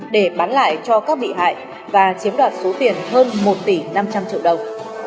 để bán lại cho các bị hại và chiếm đoạt số tiền hơn một tỷ năm trăm linh triệu đồng